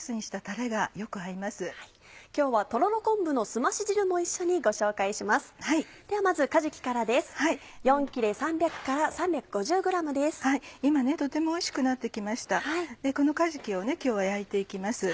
このかじきを今日は焼いて行きます。